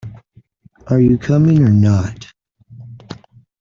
Are you coming or not?